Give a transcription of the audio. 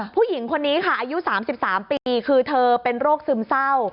ผู้หญิงคนนี้ค่ะอายุ๓๓ปีคือเธอเป็นโรคซึมเศร้า